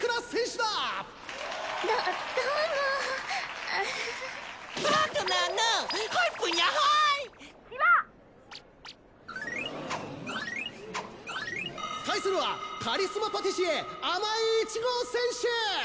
対するはカリスマパティシエ甘衣いちご選手！